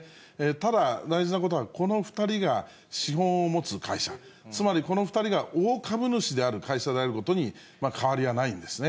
ただ、大事なことはこの２人が資本を持つ会社、つまりこの２人が大株主である会社であることに変わりはないんですね。